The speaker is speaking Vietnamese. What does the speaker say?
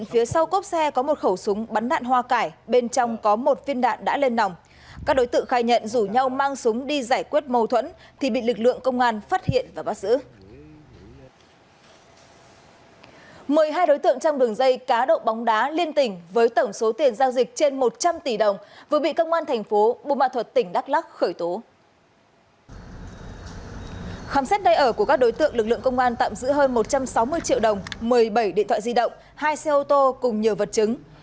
khám xét đầy ở của các đối tượng lực lượng công an tạm giữ hơn một trăm sáu mươi triệu đồng một mươi bảy điện thoại di động hai xe ô tô cùng nhiều vật chứng